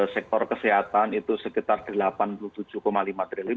sektor kesehatan itu sekitar rp delapan puluh tujuh lima triliun